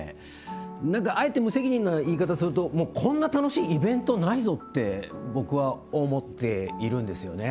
何かあえて無責任な言い方するとこんな楽しいイベントないぞって僕は思っているんですよね。